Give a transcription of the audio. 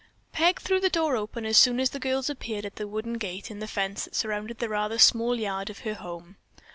Peg threw the door open as soon as the girls appeared at the wooden gate in the fence that surrounded the rather small yard of her home.